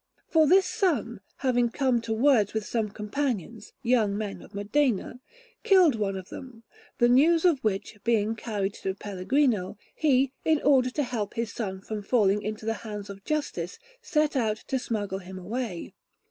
For this son, having come to words with some companions, young men of Modena, killed one of them; the news of which being carried to Pellegrino, he, in order to help his son from falling into the hands of justice, set out to smuggle him away.